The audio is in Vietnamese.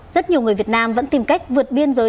rất nhiều người việt nam vẫn tìm cách vượt biên giới